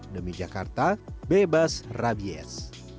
demi jakarta bebas rabies